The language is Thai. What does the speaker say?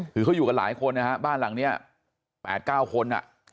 คือเขาอยู่กันหลายคนนะฮะบ้านหลังนี้๘๙คน